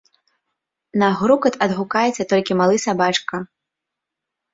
На грукат адгукаецца толькі малы сабачка.